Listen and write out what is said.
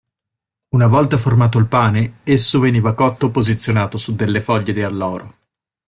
Una volta formato il pane, esso veniva cotto posizionato su delle foglie di alloro.